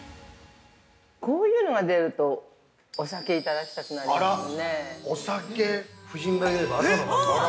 ◆こういうのが出るとお酒いただきたくなりますよね。